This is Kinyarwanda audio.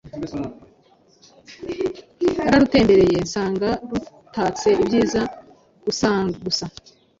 nararutembeye nsanga rutatse ibyiza gusagusa.